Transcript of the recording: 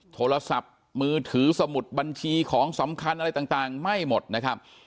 โทรศัพท์มือถือสมุดบัญชีของสำคัญอะไรต่างไม่หมดนะครับ